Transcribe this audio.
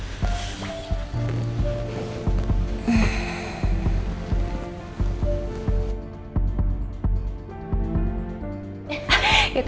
ke tak ber student